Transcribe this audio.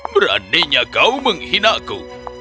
beraninya kau menghinaku